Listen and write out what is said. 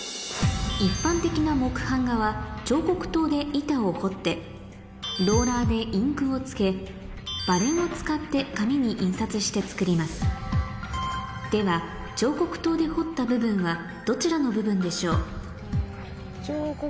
一般的な木はん画は彫刻刀で板を彫ってローラーでインクをつけバレンを使って紙に印刷して作りますでは彫刻刀で彫った部分なので。